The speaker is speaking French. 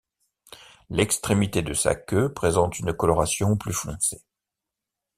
L'extrémité de sa queue présente une coloration plus foncée.